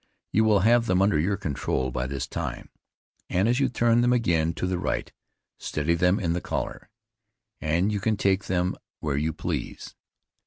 You will have them under your control by this time, and as you turn them again to the right, steady them in the collar, and you can take them where you please.